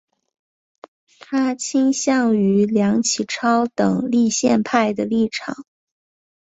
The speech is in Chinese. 他倾向于梁启超等立宪派的立场。